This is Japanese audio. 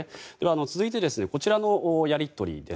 続いて、こちらのやり取りです。